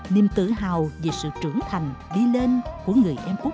niềm tự hào về sự trưởng thành đi lên của người em úc cà mau